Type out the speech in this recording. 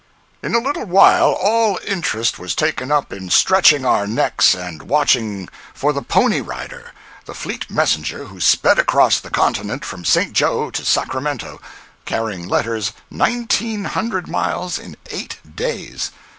In a little while all interest was taken up in stretching our necks and watching for the "pony rider"—the fleet messenger who sped across the continent from St. Joe to Sacramento, carrying letters nineteen hundred miles in eight days!